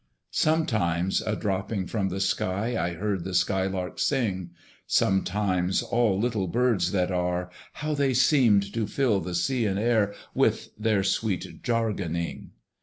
Sometimes a dropping from the sky I heard the sky lark sing; Sometimes all little birds that are, How they seemed to fill the sea and air With their sweet jargoning!